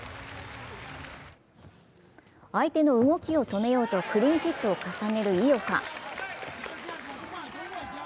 相手の動きを止めようとクリーンヒットを重ねる井岡。